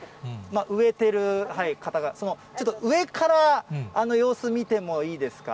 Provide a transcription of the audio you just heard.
植えてる方が、ちょっと上から様子見てもいいですか？